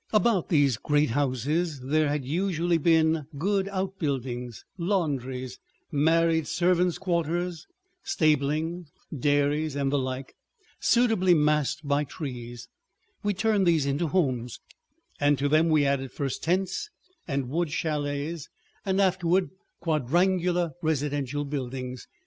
About these great houses there had usually been good outbuildings, laundries, married servants' quarters, stabling, dairies, and the like, suitably masked by trees, we turned these into homes, and to them we added first tents and wood chalets and afterward quadrangular residential buildings.